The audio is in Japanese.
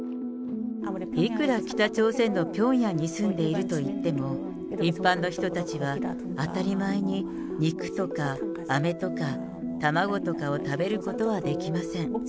いくら北朝鮮のピョンヤンに住んでいるといっても、一般の人たちは当たり前に肉とかあめとか、卵とかを食べることはできません。